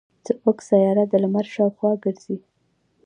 زمونږ سیاره د لمر شاوخوا ګرځي.